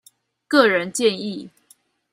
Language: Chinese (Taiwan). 個人建議